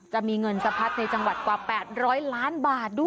จะมีเงินสะพัดในจังหวัดกว่า๘๐๐ล้านบาทด้วย